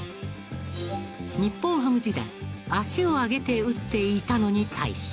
日本ハム時代足を上げて打っていたのに対し。